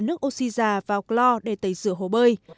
nước oxy già vào clor để tẩy rửa hồ bơi